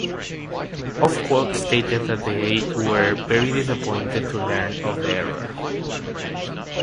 Ofqual stated that they were "very disappointed to learn of the error".